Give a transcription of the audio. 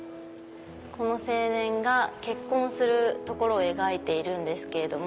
この青年が結婚するところを描いているんですけれども。